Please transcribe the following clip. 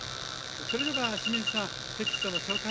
それでは清水さんテキストの紹介